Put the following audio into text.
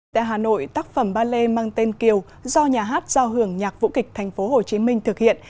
tại hà nội tác phẩm ballet mang tên kiều do nhà hát do hưởng nhạc vũ kịch tp hcm thực hiện